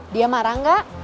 dia marah gak